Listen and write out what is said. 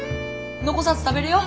残さず食べれよ！